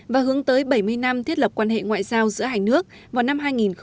và hướng tới bảy mươi năm thiết lập quan hệ ngoại giao giữa hai nước vào năm hai nghìn hai mươi